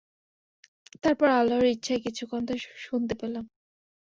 তারপর আল্লাহর ইচ্ছায় কিছু কথা শুনতে পেলাম।